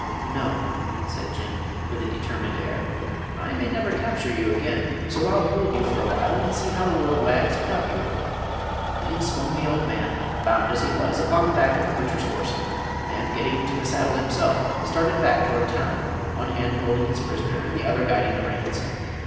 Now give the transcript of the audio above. "No," said Jim, with a determined air. "I may never capture you again; so I'll hold you for awhile and see how the world wags without you." Then he swung the old man, bound as he was, upon the back of the butcher's horse, and, getting into the saddle himself, started back toward town, one hand holding his prisoner and the other guiding the reins.